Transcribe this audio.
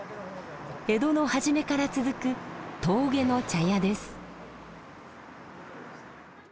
江戸の初めから続く峠の茶屋です。